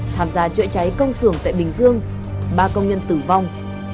tham gia chữa cháy công sưởng tại bình dương ba công nhân tử vong